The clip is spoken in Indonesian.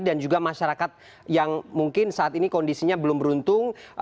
dan juga masyarakat yang mungkin saat ini kondisinya belum beruntung